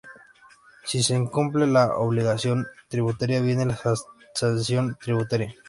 Si se incumple la obligación tributaria, viene la sanción tributaria.